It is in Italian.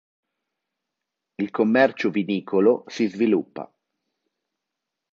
Il commercio vinicolo si sviluppa.